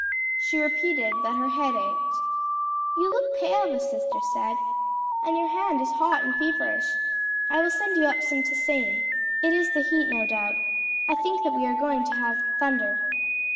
She repeated that her head ached. "You look pale," the sister said, "and your hand is hot and feverish. I will send you up some tisane. It is the heat, no doubt. I think that we are going to have thunder."